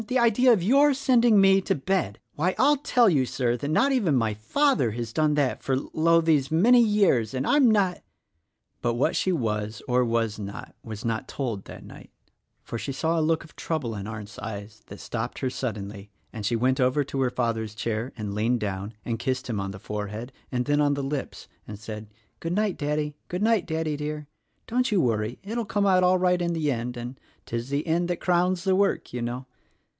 The idea of your sending me to bed! Why, I'll tell you, Sir, that not even my father has done that for, lo, these many years. And I'm " But what she was or was not, was not told — that night ; for she saw a look of trouble in Arndt's eyes that stopped her suddenly, and she went over to her father's chair and leaned down and kissed him on the forehead and then on the lips and said, "Good night, Daddy. Good night, Daddy, dear! Don't you worry; it will come out all right in the end — and ' Tis the end that crowns the work,' you know."